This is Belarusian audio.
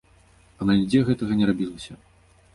Амаль нідзе гэтага не рабілася.